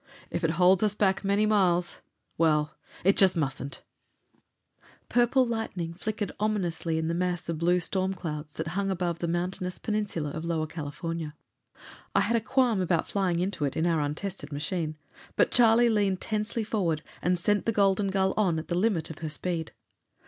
"If it holds us back many miles well, it just mustn't!" Purple lightning flickered ominously in the mass of blue storm clouds that hung above the mountainous peninsula of Lower California. I had a qualm about flying into it in our untested machine. But Charlie leaned tensely forward and sent the Golden Gull on at the limit of her speed.